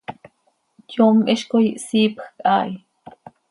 Yom hizcoi hsiipjc haa hi.